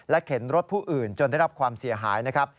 และเข็นรถผู้อื่นจนได้รับความเสียหาย